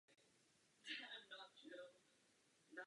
Jsou součástí celkové výbavy jezdce.